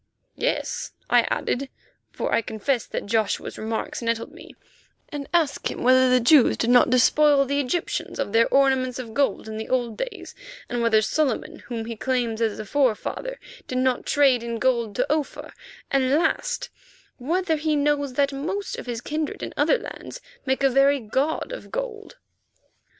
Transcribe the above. "Yes," I added, for I confess that Joshua's remarks nettled me, "and ask him whether the Jews did not despoil the Egyptians of their ornaments of gold in the old days, and whether Solomon, whom he claims as a forefather, did not trade in gold to Ophir, and lastly whether he knows that most of his kindred in other lands make a very god of gold."